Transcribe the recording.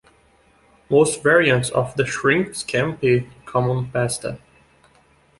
Most variants of the "shrimp scampi" come on pasta.